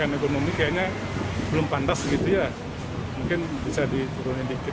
ya artinya dibandingkan biasanya